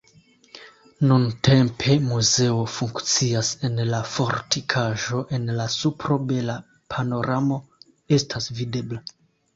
Nuntempe muzeo funkcias en la fortikaĵo, en la supro bela panoramo estas videbla.